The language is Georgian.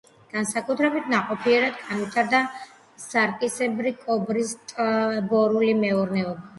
განსაკუთრებით ნაყოფიერად განვითარდა სარკისებრი კობრის ტბორული მეურნეობა.